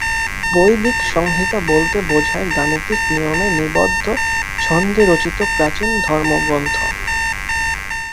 বৈ দিক সংহিতা বলতে বোঝায় গাণিতিক নিয়মে নিবদ্ধ ছন্দে রচিত প্রাচীন ধর্মগ্রন্থ।